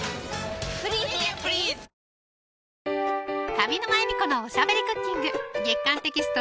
上沼恵美子のおしゃべりクッキング月刊テキスト